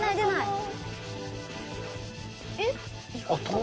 はい。